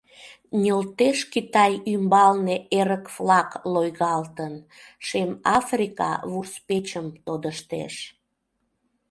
Нӧлтеш Китай ӱмбалне эрык флаг лойгалтын, Шем Африка вурс печым тодыштеш.